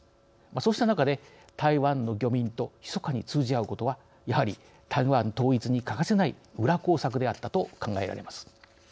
そうした中で台湾の漁民とひそかに通じ合うことはやはり台湾統一に欠かせない裏工作であったと考えられます。